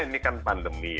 karena ini kan pandemi